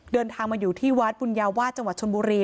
เดินทางมาอยู่ที่วัดบุญญาวาสจังหวัดชนบุรี